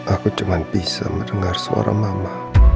aku cuma bisa mendengar seorang mama